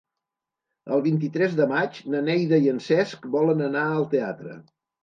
El vint-i-tres de maig na Neida i en Cesc volen anar al teatre.